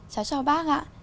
cháu chào bác ạ